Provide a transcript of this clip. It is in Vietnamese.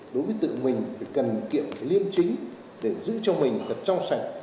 đối với tự mình phải cần kiệm liêm chính để giữ cho mình thật trong sạch